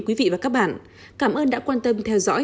quý vị và các bạn cảm ơn đã quan tâm theo dõi xin chào và hẹn gặp lại